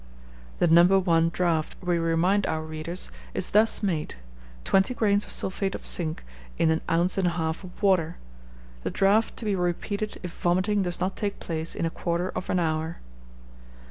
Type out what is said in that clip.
(The No. 1 draught, we remind our readers, is thus made: Twenty grains of sulphate of zinc in an ounce and a half of water; the draught to be repeated if vomiting does not take place in a quarter of an hour.)